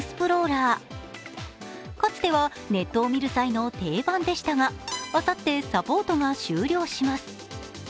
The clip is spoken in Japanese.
かつてはネットを見る際の定番でしたが、あさってサポートが終了します。